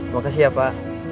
makasih ya pak